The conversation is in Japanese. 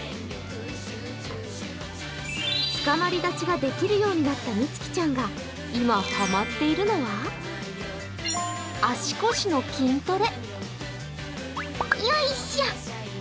つかまり立ちができるようになったみつきちゃんが今、ハマっているのは足腰の筋トレ。